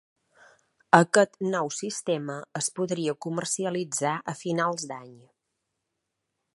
Aquest nou sistema es podria comercialitzar a finals d’anys.